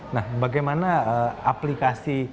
nah bagaimana aplikasi